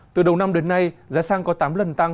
từ đầu năm đến nay giá xăng có tám lần tăng